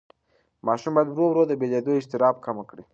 ماشوم باید ورو ورو د بېلېدو اضطراب کمه کړي.